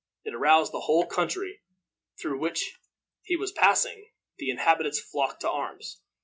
It aroused the whole country through which he was passing. The inhabitants flocked to arms.